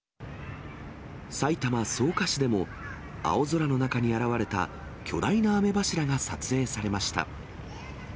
埼玉・草加市でも、青空の中に現れた巨大な雨柱が撮影されました。